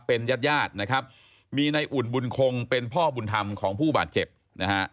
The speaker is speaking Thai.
เป็นญาติญาตินะครับมีในอุ่นบุญคงเป็นพ่อบุญธรรมของผู้บาดเจ็บนะฮะ